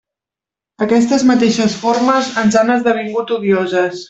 Aquestes mateixes formes ens han esdevingut odioses.